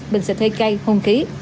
bình sạch hơi cay hung khí